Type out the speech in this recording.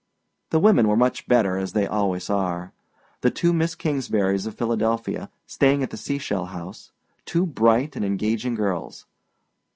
The women were much better, as they always are; the two Miss Kingsburys of Philadelphia, staying at the Seashell House, two bright and engaging girls.